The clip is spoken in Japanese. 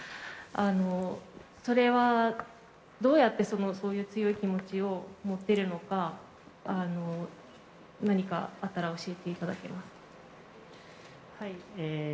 それはどうやって、そのそういう強い気持ちを持てるのか、何かあったら教えていただけますか。